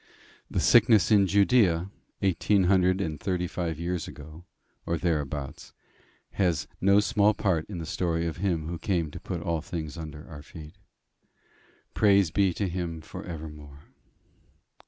The sickness in Judaea eighteen hundred and thirty five years ago, or thereabouts, has no small part in the story of him who came to put all things under our feet. Praise be to him for evermore!